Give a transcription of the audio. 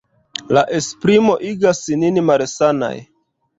La esprimo igas nin malsanaj.